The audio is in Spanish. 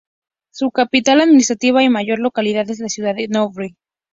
Su capital administrativa y mayor localidad es la ciudad de Nyborg.